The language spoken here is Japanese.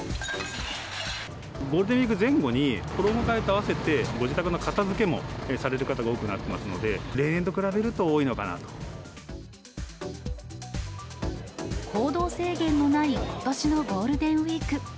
ゴールデンウィーク前後に、衣がえと合わせて、ご自宅の片づけもされる方が多くなりますので、例年と比べると多行動制限のないことしのゴールデンウィーク。